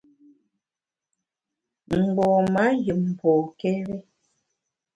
Mgbom-a yùm pokéri.